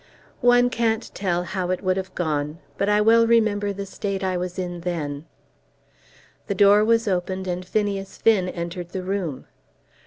"One can't tell how it would have gone, but I well remember the state I was in then." The door was opened and Phineas Finn entered the room.